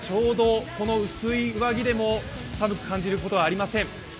この薄い上着でも寒く感じることはありません。